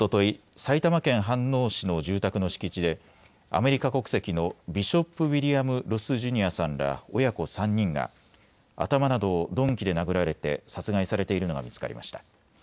埼玉県飯能市の住宅の敷地でアメリカ国籍のビショップ・ウィリアム・ロス・ジュニアさんら親子３人が頭などを鈍器で殴られて殺害されているのが見つかりました。